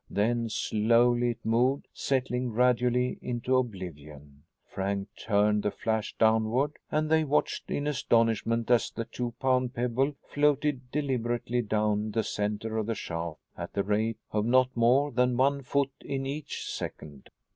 Then slowly it moved, settling gradually into oblivion. Frank turned the flash downward and they watched in astonishment as the two pound pebble floated deliberately down the center of the shaft at the rate of not more than one foot in each second.